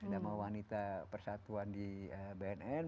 nama wanita persatuan di bnn